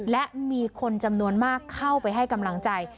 และมีคนจำนวนมากเข้าไปให้กำลังใจ